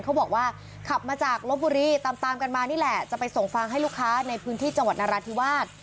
เขาบอกว่าขับมาจากลบบุรีตามตามกันมานี่แหละจะไปส่งฟางให้ลูกค้าในพื้นที่จังหวัดนราธิวาส